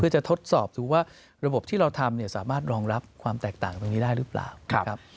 เพื่อจะทดสอบดูว่าระบบที่เราทำเนี่ยสามารถรองรับความแตกต่างตรงนี้ได้หรือเปล่านะครับ